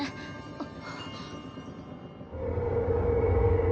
あっ。